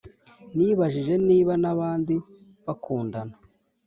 nibajije niba nabandi bakundana